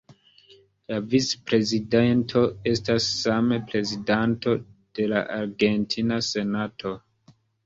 La vicprezidento estas same prezidanto de la argentina senato.